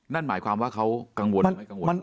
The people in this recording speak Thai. นั่นหมายความว่าเขากังวลหรือไม่กังวล